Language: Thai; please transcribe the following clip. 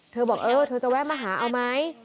เธอบอกเออเธอจะแวะมาหาเอาไหม